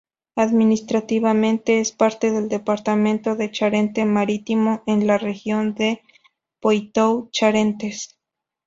Administrativamente es parte del departamento de Charente Marítimo en la región de Poitou-Charentes.